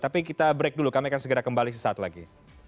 tapi kita break dulu kami akan segera kembali sesaat lagi